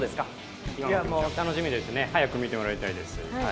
楽しみですね、早く見てもらいたいです。